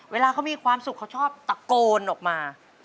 เวลาเขามีความสุขเขาชอบตะโกนออกมา